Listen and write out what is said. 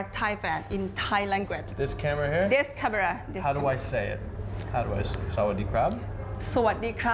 สวัสดีค่ะ